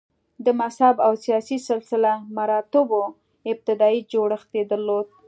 د مذهب او سیاسي سلسه مراتبو ابتدايي جوړښت یې درلود